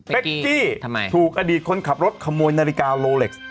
เป็นกี้ถูกอดีตคนขับรถขโมยนาฬิกาโลเล็กซ์